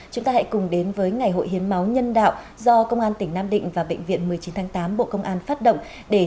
chúng ta hãy cùng đến với ngày hội hiến máu nhân đạo do công an tỉnh nam định và bệnh viện một mươi chín tháng tám bộ công an phát động